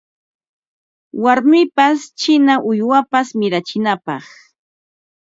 Warmipas china uywapas mirachinapaq